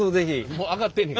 もう上がってんねん。